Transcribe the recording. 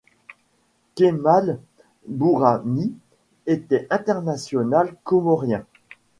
Kemal Bourhani était international comorien.